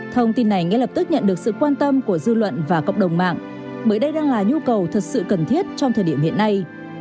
thông tin này ngay lập tức nhận được sự quan tâm của dư luận và cộng đồng mạng bởi đây đang là nhu cầu thật sự cần thiết trong thời điểm hiện nay